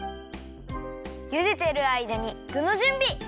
ゆでてるあいだにぐのじゅんび！